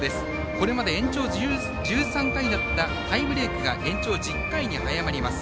これまでの延長１３回だったタイブレークが延長１０回に早まります。